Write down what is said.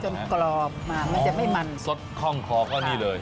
จนกรอบมามันจะไม่มันซดข้องคอก็อันนี้เลย